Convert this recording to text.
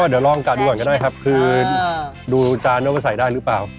ก็เดี๋ยวลองกันดีกว่ากันก็ได้ครับคือดูจานแล้วก็ใส่ได้หรือเปล่า